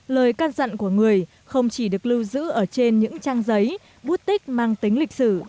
lời can dặn của người không chỉ được lưu giữ ở trên những trang giấy bút tích mang tính lịch sử